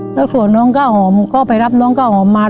แล้วส่วนน้องข้าวหอมก็ไปรับน้องข้าวหอมมา